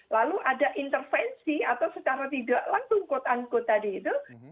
lalu ada intervensi atau secara tidak langsung quote unquote tadi itu